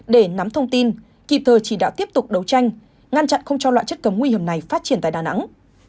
để nắm thông tin kịp thời chỉ đạo tiếp tục đấu tranh ngăn chặn không cho loại chất cấm nguy hiểm này phát triển tại đà nẵng